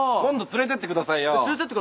連れてってくださいよ。